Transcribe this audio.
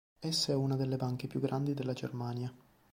Essa è una delle banche più grandi della Germania.